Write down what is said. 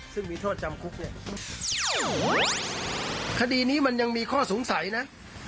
ซึ่งมีโทษจำคุกเนี่ยคดีนี้มันยังมีข้อสงสัยนะ